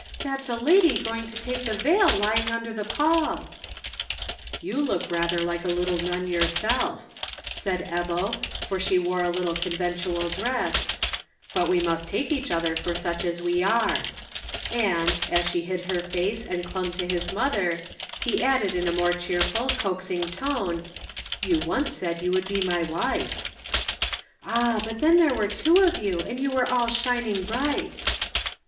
That's a lady going to take the veil lying under the pall." "You look rather like a little nun yourself," said Ebbo, for she wore a little conventual dress, "but we must take each other for such as we are;" and, as she hid her face and clung to his mother, he added in a more cheerful, coaxing tone, "You once said you would be my wife." "Ah, but then there were two of you, and you were all shining bright."